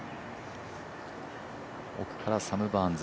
奥からサム・バーンズ。